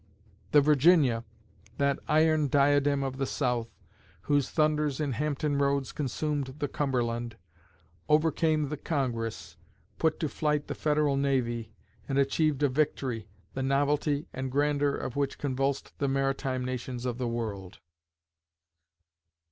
The Virginia, that iron diadem of the South, whose thunders in Hampton Roads consumed the Cumberland, overcame the Congress, put to flight the Federal Navy, and achieved a victory, the novelty and grandeur of which convulsed the maritime nations of the world.